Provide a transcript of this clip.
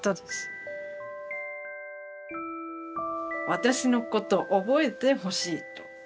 私のこと覚えてほしいと。